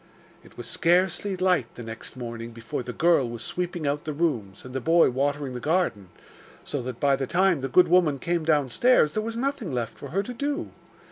It was scarcely light the next morning before the girl was sweeping out the rooms, and the boy watering the garden, so that by the time the good woman came downstairs there was nothing left for her to do.